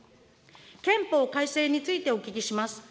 憲法改正についてお聞きします。